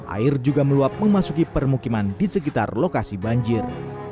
air juga meluap memasuki permukiman di sekitar lokasi banjir